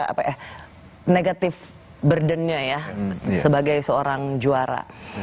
apa eh negatif burden nya ya sebagai seorang juara